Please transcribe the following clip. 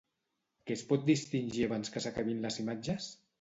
Què es pot distingir abans que s'acabin les imatges?